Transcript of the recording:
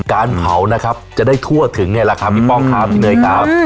การเผานะครับจะได้ทั่วถึงนี่แหละค่ะพี่ป้องค่ะมีเนยครับ